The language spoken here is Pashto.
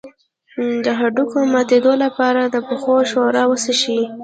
د هډوکو د ماتیدو لپاره د پښو ښوروا وڅښئ